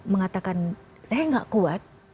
mengatakan saya tidak kuat